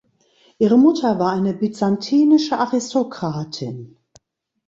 Ihre Mutter war eine byzantinische Aristokratin.